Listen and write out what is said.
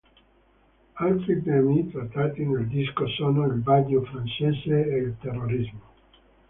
Altri temi trattati nel disco sono il Maggio francese e il terrorismo.